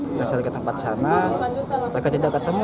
mereka sering ke tempat sana mereka tidak ketemu